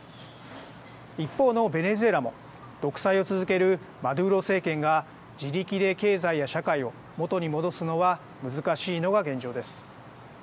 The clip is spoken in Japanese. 一方のベネズエラも独裁を続けるマドゥーロ政権が自力で経済や社会を元に戻すのは難しいのが現状です。